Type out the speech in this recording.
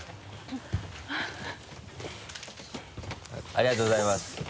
ありがとうございます。